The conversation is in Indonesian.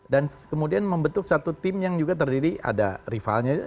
dan kemudian membetul satu tim yang juga terdiri ada rivalnya